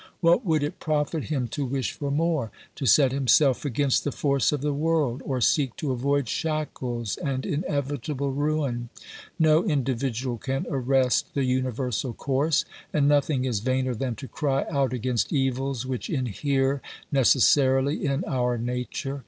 What would it profit him to wish for more, to set himself against the force of the world, or seek to avoid shackles and in evitable ruin ? No individual can arrest the universal course, and nothing is vainer than to cry out against evils which inhere necessarily in our nature.